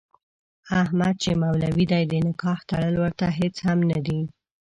احمد چې مولوي دی د نکاح تړل ورته هېڅ هم نه دي.